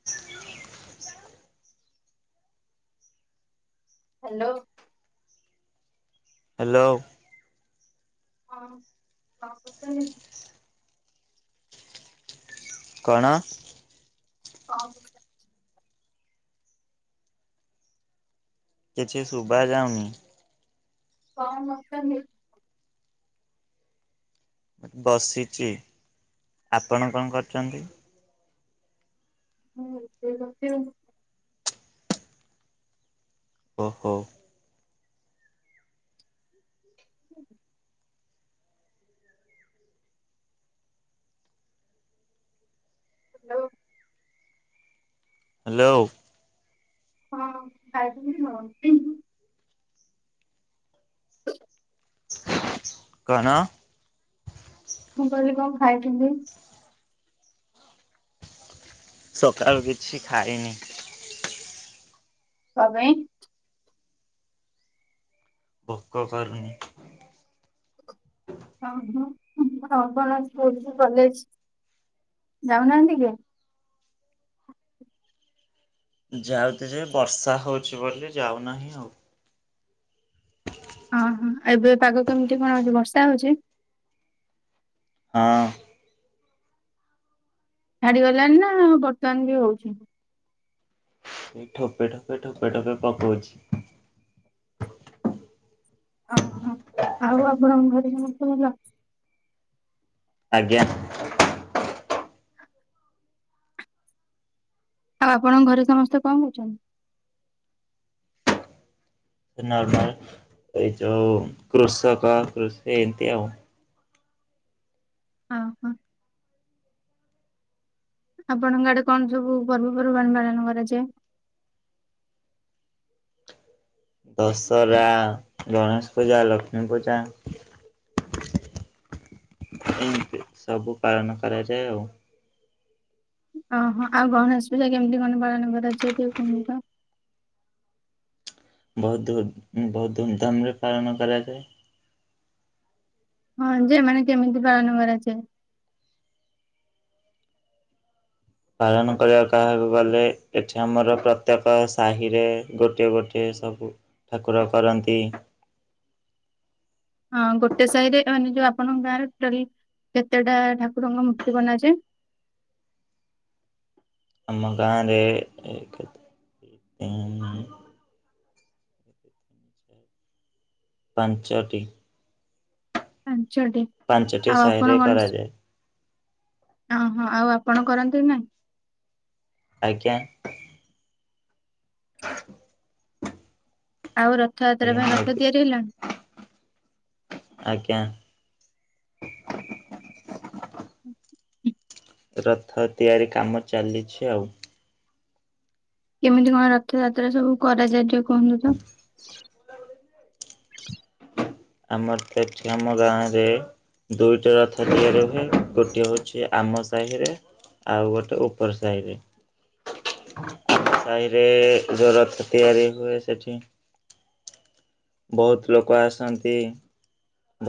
[inaudible] Hello. Hello. ହଁ କଣ କରୁଛନ୍ତି? ହ [unintelligible] ନାଁ। ହଁମସ୍। କିଛି ଶୁଭା ଯାଉନି। କଣ କରୁଛନ୍ତି? ବସିଛି। ଆପଣ କଣ କରୁଛନ୍ତି? ମୁଁ ରୋଷେଇ କରୁଛୁ। ଓହୋ। ହଁ [unintelligible] ହ୍ୟାଲୋ। ହ୍ୟାଲୋ। ହଁ ଖାଇଥିଲି [unintelligible] [inaudible] କଣ? ମୁଁ କହିଲି କଣ ଖାଇଛନ୍ତି? ସକାଳୁ କିଛି ଖାଇନି। କଅଁ ପେଇଁ? ଭୋକ କରୁନି। ହ ହ ହଁ କଣ ଆପଣ ସ୍କୁଲ କି କଲେଜ ଯାଉନାହାନ୍ତି କି? ଯାଉଛି ଯେ ବର୍ଷା ହଉଛି ବୋଲି ଯାଉନାହିଁ ଆଉ। ଓହୋ। ଏବେ ପାଗ କେମିତି କଣ ହଉଛି ବର୍ଷା ହଉଛି? ହଁ। ଛାଡିଗଲାଣି ନା ବର୍ତ୍ତମାନ ବି ହଉଛି? ସେଇ ଠୋପେ ଠୋପେ ଠୋପେ ଠୋପେ ପକଉଛି। ଅହୋ ଆଉ ଆପଣଙ୍କ ଘରେ ସମସ୍ତେ ଭଲ? ଆଜ୍ଞା। ଆଉ ଆପଣଙ୍କ ଘରେ ସମସ୍ତେ କଁ କରୁଚନ୍ତି? ଏ ନର୍ମାଲ ଏଇ ଯୋଉ କୃଷକ କୃଷି ଏମିତି ଆଉ। ଆ ହଁ। ଆପଣଙ୍କ ଆଡେ କଣ ସବୁ ପର୍ବପର୍ବାଣି ପାଳନ କରାଯାଏ? ଦଶହରା, ଗଣେଶ ପୂଜା, ଲକ୍ଷ୍ମୀ ପୂଜା ଏମତି ସବୁ ପାଳନ କରାଯାଏ ଆଉ। ଅହଁ ଆଉ ଗଣେଶ ପୂଜା କେମିତି କଣ ପାଳନ କରାଯାଏ ଟିକେ କୁହନ୍ତୁ ତ? ବହୁତୁ ବହୁ ଧୁମଧାମରେ ପାଳନ କରାଯାଏ। ହଁ ଯେ ମାନେ କେମିତି ପାଳନ କରାଯାଏ? ପାଳନ କରିବାକୁ କହିବାକୁ ଗଲେ ଏଠି ଆମର ପ୍ରତ୍ୟେକ ସାହିରେ ଗୋଟିଏ ଗୋଟିଏ ସବୁ ଠାକୁର କରନ୍ତି। ହଁ ଗୋଟେ ସାଇରେ ଏ ମାନେ ଯୋଉ ଆପଣଙ୍କ ଗାଁରେ ଟୋଟାଲୀ କେତେଟା ଠାକୁରଙ୍କ ମୂର୍ତ୍ତି ବନାଯାଏ? ଆମ ଗାଁରେ କେ କେତେ ଦୁଇ, ତିନି ପାଞ୍ଚଟି। ପାଞ୍ଚଟି? ପାଞ୍ଚଟି ଆଉ ଆପଣ ସାହିରେ କରାଯାଏ। ଅହୋ ଆଉ ଆପଣ କରନ୍ତିନାଇଁ ଆଜ୍ଞା? ହ ଆଉ ରଥଯାତ୍ରା ଆଜ୍ଞା ପାଇଁ ମୁଁ ରଥ ତିଆରି ହେଲାଣି? ଆଜ୍ଞା। ଉଉ ହୁଁ ରଥ ତିଆରି କାମ ଚାଲିଛି ଆଉ। କେମିତି କଣ ରଥଯାତ୍ରା ସବୁ କରାଯାଏ ଟିକେ କୁହନ୍ତୁ ତ ଆମର ତ ଏଠି ଆମ ଗାଁରେ ଦୁଇଟା ରଥ ତିଆରି ହୁଏ ଗୋଟିଏ ହଉଛି ଆମ ସାହିରେ ଆଉ ଗୋଟେ ଓପର ସାହିରେ। ସାହିରେ ଯଉ ରଥ ତିଆରି ହୁଏ ସେଠି ବହୁତ ଲୋକ ଆସନ୍ତି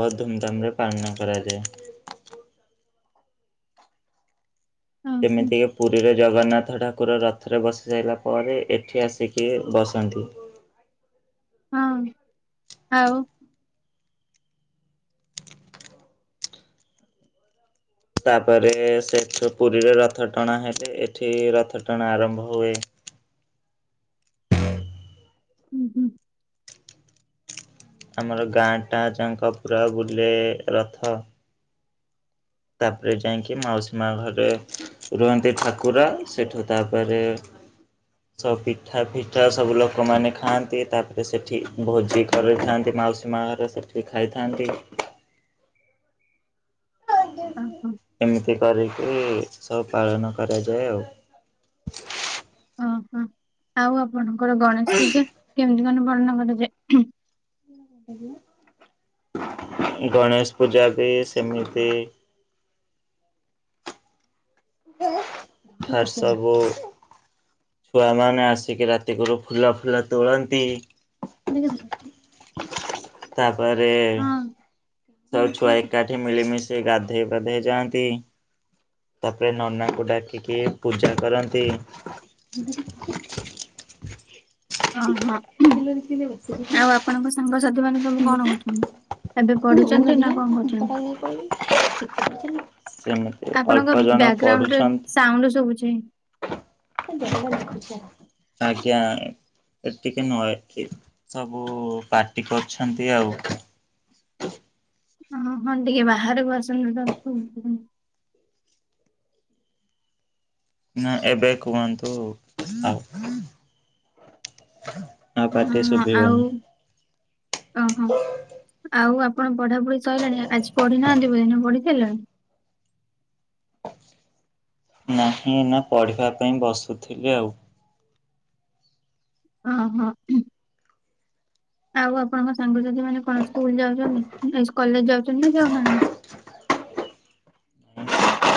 ବହୁତ ଧୁମଧାମରେ ପାଳନ କରାଯାଏ। ଓହୋ ଯେମିତିକୀ ପୁରୀରେ ଜଗନ୍ନାଥ ଠାକୁର ରଥରେ ବସି ସାଇଲା ପରେ ଏଠି ଆସିକି ବସନ୍ତି। ହଁ ଆଉ ତାପରେ ସେଠୁ ପୁରୀରେ ରଥ ଟଣା ହେଲେ ଏଠି ରଥ ଟଣା ଆରମ୍ଭ ହୁଏ। ଓହୋ ଆମର ଗାଁଟା ଯାଙ୍କ ପୁରା ବୁଲେ ରଥ। ତାପରେ ଯାଇଁକି ମାଉସୀ ମା ଘରେ ରୁହନ୍ତି ଠାକୁର ସେଠୁ ତାପରେ ତ ପିଠା ଫିଠା ସବୁ ଲୋକମାନେ ଖାଆନ୍ତି ତାପରେ ସେଠି ଭୋଜି କରିଥାନ୍ତି ମାଉସୀ ମା ଘରେ ସେ ସେ ଖାଇଥାନ୍ତି। ଏମିତି କରିକି ସବୁ ପାଳନ କରାଯାଏ ଆଉ। ଓହୋ, ଆଉ ଆପଣଙ୍କର ଗଣେଶ ପୂଜା କେମିତି କଣ ପାଳନ କରାଯାଏ? ଗଣେଶ ପୂଜା ବି ସେମିତି ହାର୍ ସଭୁ ଛୁଆମାନେ ଆସିକି ରାତି କରୁ ଫୁଲ ଫୁଲ ତୁଳନ୍ତି। [inaudible] ତାପରେ ହଁ ସବୁ ଛୁଆ ଏକାଠି ମିଳିମିଶି ଗାଧେଇ ପାଧେଇ ଯାଆନ୍ତି। ତାପରେ ନନାଙ୍କୁ ଡାକିକି ପୂଜା କରନ୍ତି। ଓହୋ, ଆଉ ଆପଣଙ୍କ ସାଙ୍ଗସଥିୀ ମାନ ସବୁ କଣ କରୁଛନ୍ତି? ଏବେ ପଢୁଛନ୍ତି ନା କଣ କରୁଛନ୍ତି? ସେମି ଆପଣଙ୍କ ବ୍ୟାଗ୍ରାଉଣ୍ଡରେ ସାଉଣ୍ଡୁ ଶୁଭୁଛି। ଆଜ୍ଞା। ଏ ଟିକେ ନଏ କେ- ସବୁ ପାଟି କରୁଛନ୍ତି ଆଉ। ଓ ହଁ ଟିକେ ବାହାରକୁ ଆସନ୍ତୁ ତ ଶୁଭୁନି। ନା ଏବେ କୁହନ୍ତୁ ଆଉ ଆଉ ପାଟି ଆଉ ଶୁଭିବନି। ଓ ହଁ, ଆଉ ଆପଣ ପଢାପଢି ସଇଲାଣି? ଆ, ଆଜି ପଢି ନାହାନ୍ତି ବହି ନା ପଢିଥିଲେ? ନାହିଁ ଏଇନା ପଢିବା ପାଇଁ ବସୁଥିଲି ଆଉ। ଓ ହଁ। ଆଉ ଆପଣଙ୍କ ସାଙ୍ଗସାଥି ମାନେ କଣ ସ୍କୁଲ୍ ଯାଉଛନ୍ତି? ନାଇ କଲେଜ୍ ଯାଉଛନ୍ତି ନା ଯାଉନାହାନ୍ତି?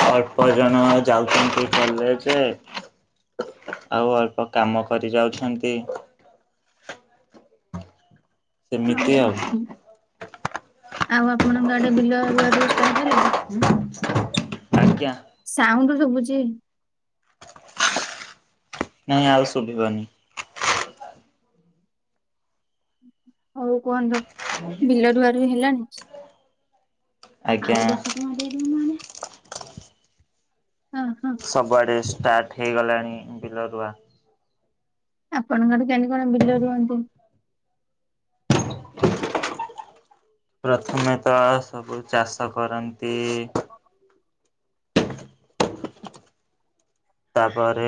ଅଳ୍ପ ଜଣ ଯାଉଛନ୍ତି କଲେଜେ। ଆଉ ଅଳ୍ପ କାମ କରି ଯାଉଛନ୍ତି। ଏମିତି ଓହୋ ଆଉ। ଆଉ ଆପଣଙ୍କ ଆଡେ ବିଲ ରୁଆ ରୁଇ ଷ୍ଟାର୍ଟ ହେଲାଣି? ଆଜ୍ଞା। ସାଉଣ୍ଡୁ ଶୁଭୁଛି। ନାଇଁ ଆଉ ଶୁଭିବନି। ହଉ କୁହନ୍ତୁ ବିଲ ରୁଆ ରୁଇ ହେଲାଣି? ଆଜ୍ଞା। ଓ ହଁ। ସବୁଆଡେ ଷ୍ଟାର୍ଟ ହେଇଗଲାଣି ବିଲ ରୁୁଆ। ଆପଣଙ୍କ ଆଡେ କେମିତି କଣ ବିଲ ରୁଅନ୍ତି? ପ୍ରଥମେ ତ ସବୁ ଚାଷ କରନ୍ତି। ତାପରେ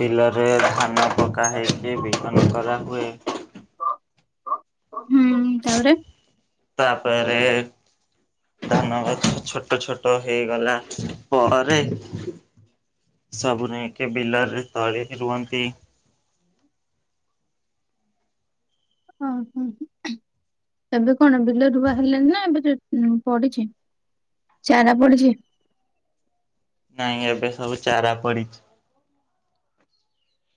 ବିଲରେ ଧାନ ପକା ହେଇଚି ବିହନ କରାହୁଏ। ହୁଁ, ତାପରେ ତାପରେ ଧାନ ଗଛ ଛୋଟ ଛୋଟ ହେଇଗଲା ପରେ ସବୁ ନେଇକି ବିଲରେ ତଳି ରୁଅନ୍ତି। ଓ ହୁଁ,। ଏବେ କଣ ବିଲ ରୁଆ ହେଲାଣିି ନା ଏବେ ଚ-ଉଁ, ପଡିଛି ଚାରା ପଡିଛି? ନାଇଁ ଏବେ ସବୁ ଚାରା ପଡିଛି।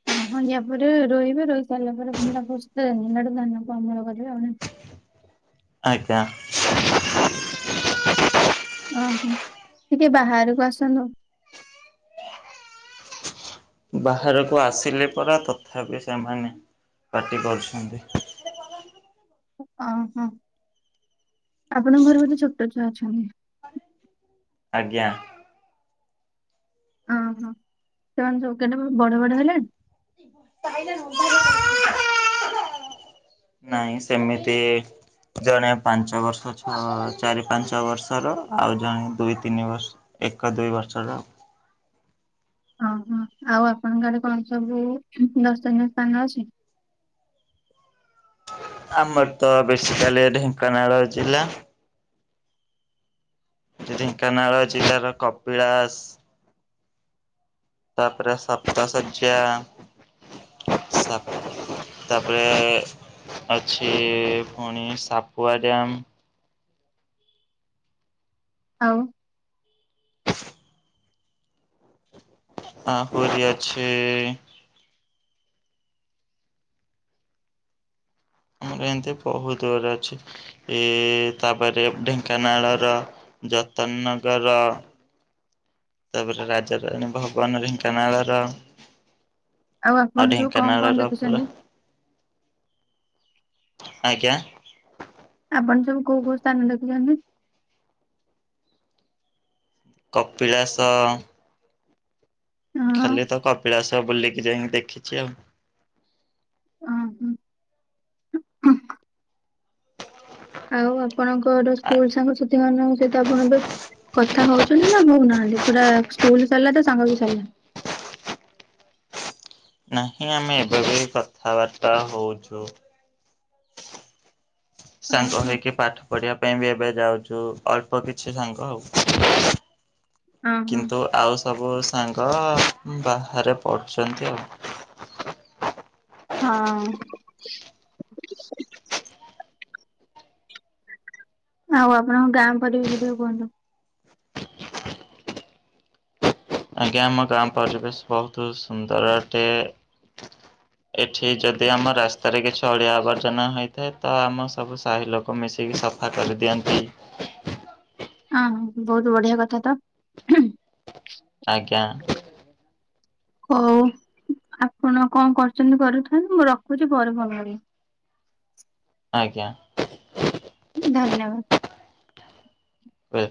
ଓ ହଁ ୟା ପରେ ରୋଇବେ ରୋଇ ସାରିଲା ପରେ ପୁଣି ତାକୁ [unintelligible] ଧାନକୁ ଅମଳ କରିବେ ଆଉ ନାଇଁ? ଆଜ୍ଞା। ଓହୋ ଟିକେ ବାହାରକୁ ଆସନ୍ତୁ। ବାହାରକୁ ଆସିଲେ ପରା ତଥାପି ସେମାନେ ପାଟି କରୁଛନ୍ତି। ଓହୋ ଆପଣଙ୍କ ଘରେ ବୋଧେ ଛୋଟ ଛୁଆ ଅଛନ୍ତି। ଆଜ୍ଞା। ଓହୋ। ସେମାନେ ସବୁ କେତେ ବଡ ବଡ ହେଲେଣି? [inaudible] ନାଇଁ ସେମିତି ଜଣେ ପାଞ୍ଚ ବର୍ଷ ଛ ଚାରି ପାଞ୍ଚ ବର୍ଷର ଆଉ ଜଣେ ଦୁଇ ତିନି ବର୍ଷ ଏକ ଦୁଇ ବର୍ଷର ଆଉ ଓହୋ ଆଉ ଆପଣଙ୍କର କଣ ସବୁ ଦର୍ଶନୀୟ ସ୍ଥାନ ଅଛି ଆମର ତ ବେଶିକାଲି ଢେଙ୍କାନାଳ ଜିଲ୍ଲା ଢେଙ୍କାନାଳ ଜିଲ୍ଲାର କପିଳାସ ତାପରେ ସପ୍ତାସଯ୍ୟା ତାପରେ ଅଛି ପୁଣି ସାପୁଆ ଡ୍ୟମ୍ ଆଉ। ଆ ପରେ ଅଛି ଆମର ଏମିତି ବହୁତ ଦର ଅଛି ଏ ତାପରେ ଢେଙ୍କାନାଳର ଯତନ ନଗର ତାପରେ ରାଜରାାନୀ ଭବନ ଢେଙ୍କାନାଳର ଆପଣ ଆଉ ସବୁ କଣ କଣ ଢେଙ୍କାନାଳ ର ଦେଖିଛନ୍ତି? ପୁରା ଆଜ୍ଞା। ଆପଣ ସବୁ କୋଉ କୋଉ ସ୍ଥାନ ଦେଖିଛନ୍ତି କପିଳାସ। ହଁ ଖାଲି ତ କପିଳାସ ବୁଲିକି ଯାଇକି ଦେଖିଛି ଆଉ। ହଁ ହୁଁ। ଆଉ ଆପଣଙ୍କର ଆ ସ୍କୁଲ ସାଙ୍ଗସାଥି ମାନଙ୍କ ସହିତ ଆପଣ ଏବେ କଥା ହଉଛନ୍ତି ନା ହଉନାହାନ୍ତି ପୁରା ସ୍କୁଲ ସରିଲା ତ ସାଙ୍ଗ ବି ସାରିଲା? ନାହିଁ ଆମେ ଏବେ ବି କଥାବାର୍ତ୍ତା ହଉଛୁ। ସାଙ୍ଗ ଓହୋ ହେଇକି ପାଠ ପଢିବା ପାଇଁ ବି ଏବେ ଯାଉଛୁ ଅଳ୍ପ କିଛି ସାଙ୍ଗ ଆଉ ଓହୋ କିନ୍ତୁ ଆଉ ସବୁ ସାଙ୍ଗ ବାହାରେ ପଡୁଛନ୍ତି ଆଉ ହଁ। ଆଉ ଆପଣଙ୍କ ଗାଁ ପରିବେଶ ଟିକେ କୁହନ୍ତୁ ଆଜ୍ଞା ଆମ ଗାଁ ପରିବେଶ ବହୁତ ସୁନ୍ଦର ଅଟେ [unintelligible] ଏଠି ଯଦି ଆମ ରାସ୍ତାରେ କିଛି ଅଳିଆ ଆବର୍ଜନା ହେଇଥାଏ ତ ଆମ ସବୁ ସାହି ଲୋକ ମିଶିକି ସଫା କରିଦିଅନ୍ତି। ଆଉ ବହୁତ ବଢିଆ କଥା ତ। ଆଜ୍ଞା। ହଉ ଆପଣ କଣ କରୁଛନ୍ତି କରୁଥାନ୍ତୁ ମୁଁ ରଖୁଛି ପରେ ଫୋନ କରିବି। ଆଜ୍ଞା। ଧନ୍ୟବାଦ। ହଁ